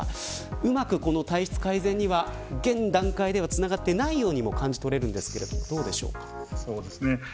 うまく体質改善には現段階ではつながっていないようにも感じ取れますがどうでしょうか。